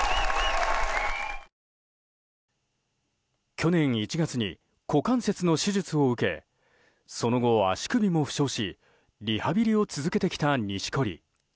去年１月に股関節の手術を受けその後、足首も負傷しリハビリを続けてきた錦織。